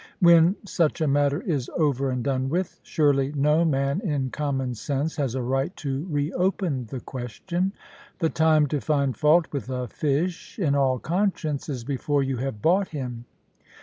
When such a matter is over and done with, surely no man, in common sense, has a right to reopen the question. The time to find fault with a fish, in all conscience, is before you have bought him.